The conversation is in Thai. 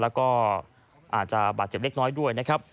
แล้วก็อาจจะบาดเจ็บเล็กน้อยด้วยนะครับ